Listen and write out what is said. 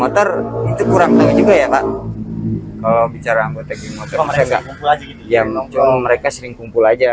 motor itu kurang tahu juga ya kalau bicara anggota geng motor mereka sering kumpul aja